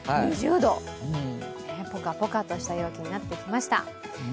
ぽかぽかとした陽気になってきました。